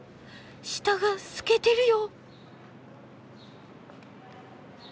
下が透けてるよ！